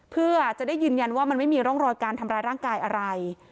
เพื่อจะได้ยืนยันว่ามันไม่มีร่องรอยการทำร้ายร่างกายอะไร